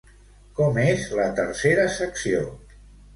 Com és la tercera secció?